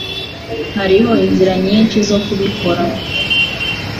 Hariho inzira nyinshi zo kubikora.